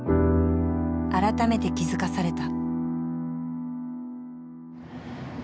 改めて気付かされた。